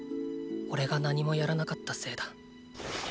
おれが何もやらなかったせいだ。